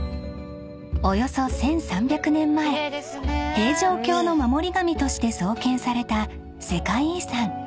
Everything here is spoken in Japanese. ［およそ１，３００年前平城京の守り神として創建された世界遺産］